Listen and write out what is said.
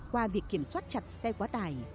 qua việc kiểm soát chặt xe quá tải